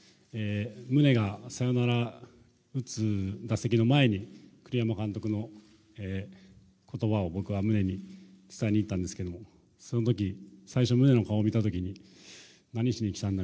ムネがサヨナラ打つ打席の前に栗山監督の言葉を僕はムネに伝えに行ったんですけどその時最初にムネの顔を見た時に何しに来たんだ？